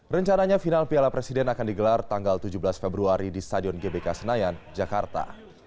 rencananya final piala presiden akan digelar tanggal tujuh belas februari di stadion gbk senayan jakarta